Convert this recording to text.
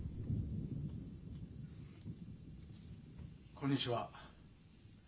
こんにちは。